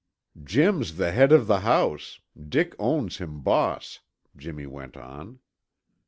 "Jim's the head of the house; Dick owns him boss," Jimmy went on.